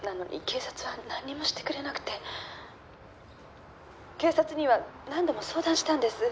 警察は何にもしてくれなくて」「警察には何度も相談したんです」